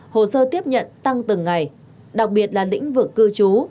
hồ sơ tiếp nhận tăng từng ngày đặc biệt là lĩnh vực cư trú